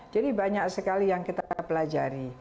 jadi banyak sekali yang kita pelajari